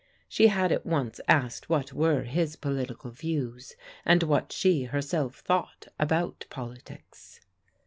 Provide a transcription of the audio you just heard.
She at once asked what were his political views, and what she herself thought about politics.